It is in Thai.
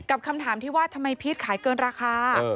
คำถามที่ว่าทำไมพีชขายเกินราคา